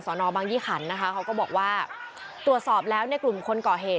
นบางยี่ขันนะคะเขาก็บอกว่าตรวจสอบแล้วในกลุ่มคนก่อเหตุ